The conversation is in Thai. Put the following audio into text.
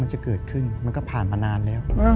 จะเกิดขึ้นมันก็ผ่านมานานแล้ว